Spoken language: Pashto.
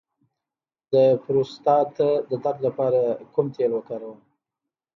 د پروستات د درد لپاره کوم تېل وکاروم؟